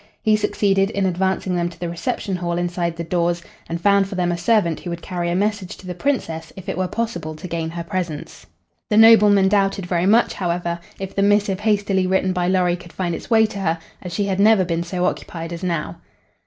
He succeeded in advancing them to the reception hall inside the doors and found for them a servant who would carry a message to the Princess if it were possible to gain her presence. The nobleman doubted very much, however, if the missive hastily written by Lorry could find its way to her, as she had never been so occupied as now.